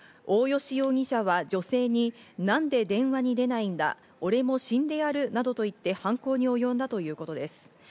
大吉容疑者は女性になんで電話に出ないんだ、俺も死んでやるなどと言って犯行におよんだということです。